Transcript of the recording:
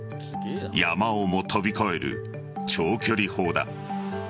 山をも飛び越える長距離砲だ。